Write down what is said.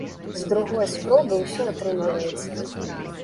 З другой спробы ўсё атрымліваецца.